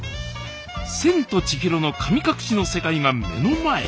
「千と千尋の神隠し」の世界が目の前に！